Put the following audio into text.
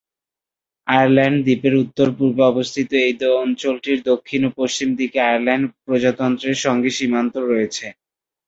Ireland দ্বীপের উত্তর-পূর্বে অবস্থিত এই অঞ্চলটির দক্ষিণ ও পশ্চিমদিকে আয়ারল্যান্ড প্রজাতন্ত্রের সঙ্গে সীমান্ত রয়েছে।